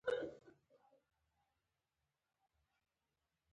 میلانوسایټس دوه ډوله میلانون تولیدوي: